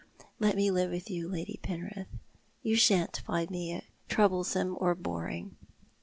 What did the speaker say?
Let me live with you, Lady Penrith. You shan't iiud me troublesome or boring.